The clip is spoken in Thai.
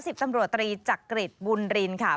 สิบตำรวจตรีจักริจบุญรินค่ะ